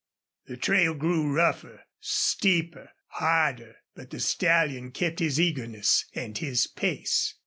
The trail grew rougher, steeper, harder, but the stallion kept his eagerness and his pace.